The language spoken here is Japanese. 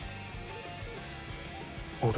俺？